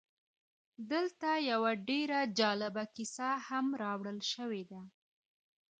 دلته یوه ډېره جالبه کیسه هم راوړل شوې ده